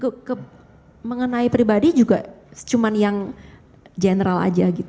tidak pernah ada percuhatan seperti itu mengenai pribadi juga cuma yang general aja gitu